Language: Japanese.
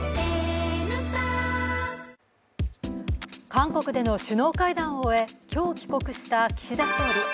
韓国での首脳会談を終え、今日帰国した岸田総理。